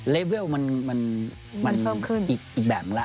เลเวลมันอีกแบบแล้ว